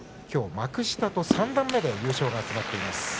きょう、幕下と三段目で優勝が決まっています。